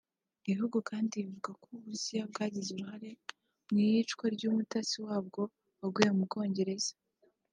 Ibi bihugu kandi bivuga ko Uburusiya bwagize uruhare mu iyicwa ry’umutasi wabwo waguye mu Bwongereza